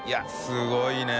すごいね。